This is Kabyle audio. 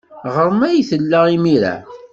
Ɣer-m ay tella imir-a.